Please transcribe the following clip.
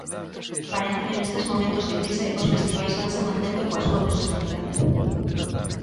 Parece que nestes momentos de crise, os festivais vanse mantendo coa súa personalidade.